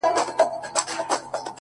• د زکندن شپو ته مي مه نیسه بخیلي سترګي,